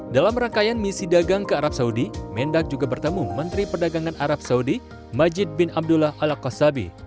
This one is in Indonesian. dalam rangkaian misi dagang ke arab saudi mendak juga bertemu menteri perdagangan arab saudi majid bin abdullah al qasabi